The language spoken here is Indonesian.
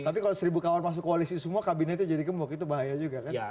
tapi kalau seribu kawan masuk koalisi semua kabinetnya jadi gemuk itu bahaya juga kan